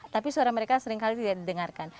tapi suara mereka seringkali tidak didengarkan